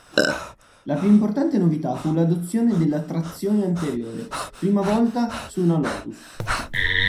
La più importante novità fu l'adozione della trazione anteriore, prima volta su una Lotus.